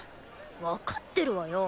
わかってるわよ。